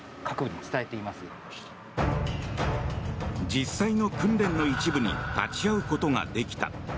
実際の訓練の一部に立ち会うことができた。